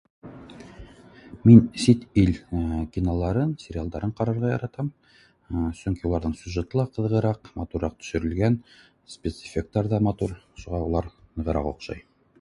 Мин сит ил киноларын, сериалдарын ҡарарға яратам, сөнки уларҙың сюжеты ла ҡыҙығыраҡ матурыраҡ төшөрөлгән, спец эффектар ҙа матур шуға улар нығыраҡ оҡшай.